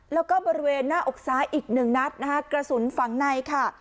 แล้วก็บริเวณหน้าอกซ้ายอีกหนึ่งนัดนะคะกระสุนฝังในค่ะ